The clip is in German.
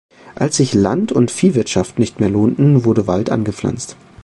Als sich Land- und Viehwirtschaft nicht mehr lohnten, wurde Wald angepflanzt.